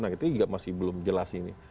nah itu juga masih belum jelas ini